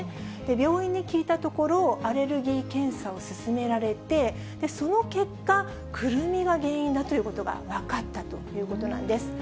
病院に聞いたところ、アレルギー検査をすすめられて、その結果、くるみが原因だということが分かったということなんです。